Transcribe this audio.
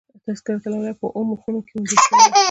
تذکرة الاولیاء" په اوو مخونو کښي موندل سوى دئ.